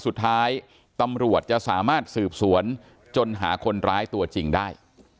สุดท้ายตำรวจจะสามารถสืบสวนจนหาคนร้ายตัวจริงได้